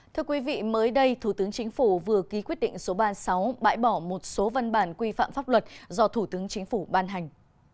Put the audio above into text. thưa quý vị mới đây thủ tướng chính phủ vừa ký quyết định số ba mươi sáu bãi bỏ một số văn bản quy phạm pháp luật do thủ tướng chính phủ ban hành